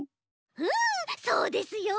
うんそうですよ！